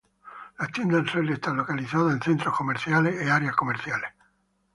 Las tiendas suelen estar localizadas en centros comerciales y áreas comerciales.